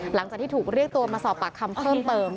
หลังจากที่ถูกเรียกตัวมาสอบปากคำเพิ่มเติม